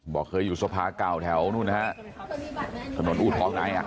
บอกเคยอยู่สภาเก่าแถวนู่นนะฮะถนนอูทองในอ่ะ